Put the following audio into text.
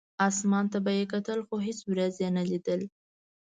اسمان ته به یې کتل، خو هېڅ ورېځ یې نه لیده.